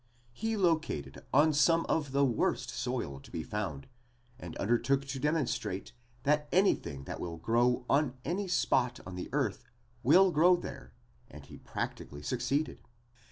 He located on some of the worst soil to be found and undertook to demonstrate that anything that will grow on any spot on the earth will grow there and he practically succeeded.